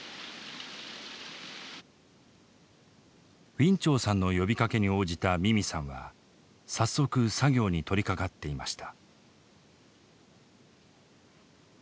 ウィン・チョウさんの呼びかけに応じたミミさんは早速作業に取りかかっていました。